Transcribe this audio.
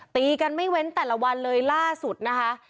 ตีกันไม่เว้นแต่ละวันเลยล่าสุดนะคะ